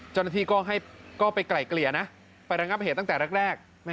เจ้าหน้าที่ก็ไปไกลเกลี่ยนะไประงับเหตุตั้งแต่แรก